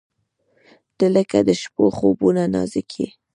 • ته لکه د شپو خوبونه نازک یې.